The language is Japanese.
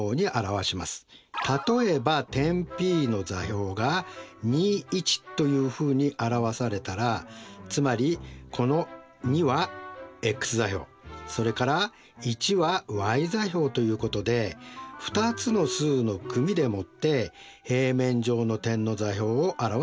例えば点Ｐの座標がというふうに表されたらつまりこの２はｘ座標それから１はｙ座標ということで２つの数の組でもって平面上の点の座標を表すことができます。